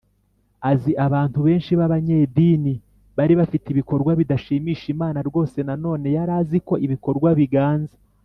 Azi abantu benshi b abanyedini bari bafite ibikorwa bidashimisha imana rwose nanone yari azi ko ibikorwa biganza